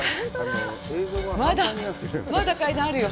まだ、まだ階段あるよ。